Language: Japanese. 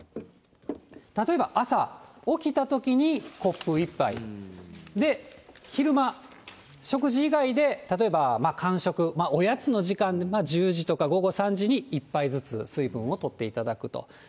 例えば朝起きたときに、コップ１杯、昼間、食事以外で例えば間食、おやつの時間に、１０時とか午後３時に１杯ずつ水分をとっていただくと。